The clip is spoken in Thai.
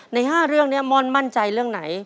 ใน๕เรื่องนี้ม่อนมั่นใจเรื่องไหน